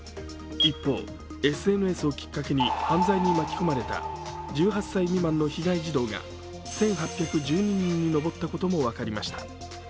一方、ＳＮＳをきっかけに犯罪に巻き込まれた１８歳未満の被害児童が１８１２人に上ったことも分かりました。